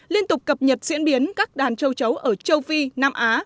liên tục cập nhật diễn biến các đàn châu chấu ở châu phi nam á